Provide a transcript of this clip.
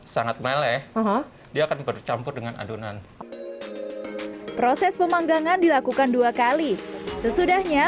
sangat meleleh dia akan bercampur dengan adonan proses pemanggangan dilakukan dua kali sesudahnya